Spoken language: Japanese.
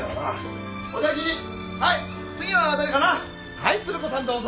はいツルコさんどうぞ。